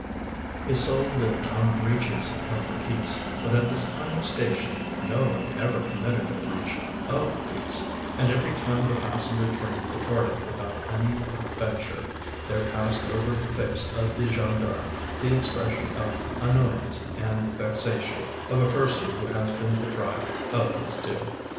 His soul lived on breaches of the peace, but at this tiny station no one ever committed a breach of the peace, and every time the passenger train departed without any adventure there passed over the face of the gendarme the expression of annoyance and vexation of a person who has been deprived of his due.